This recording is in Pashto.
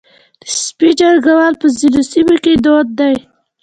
د سپي جنګول په ځینو سیمو کې دود دی.